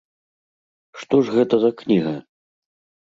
Што ж гэта за кніга?